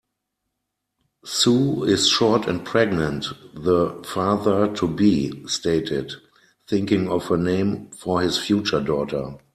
"Sue is short and pregnant", the father-to-be stated, thinking of a name for his future daughter.